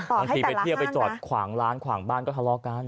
บางทีไปเที่ยวไปจอดขวางร้านขวางบ้านก็ทะเลาะกัน